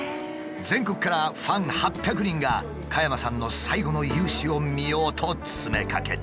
全国からファン８００人が加山さんの最後の雄姿を見ようと詰めかけた。